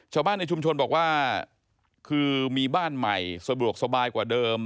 ชาวบ้านในชุมชนบอกว่าคือมีบ้านใหม่สะดวกสบายกว่าเดิม